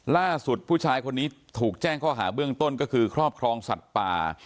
ล่าสุดผู้ชายคนนี้ถูกแจ้งข้อหาเบื้องต้นก็คือครอบครองสัตว์ป่า